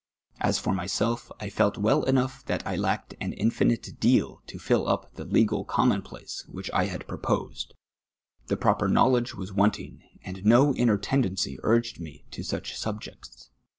As for myself, I felt >vell enough that I lacked an infinite deal to fill up the legal commonplace which I had proposed. The ])roper know ledge was wanting, and no inner tendency urged me to such subjects.